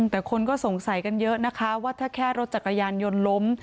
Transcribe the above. แต่คนก็สงสัยกันเยอะนะคะว่าถ้าแค่รถจักรยานยนต์ล้ม